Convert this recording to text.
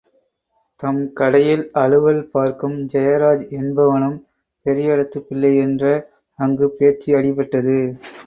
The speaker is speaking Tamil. தம் கடையில் அலுவல் பார்க்கும் ஜெயராஜ் என்பவனும் பெரிய இடத்துப் பிள்ளை என்ற அங்கு பேச்சு அடிபட்டது.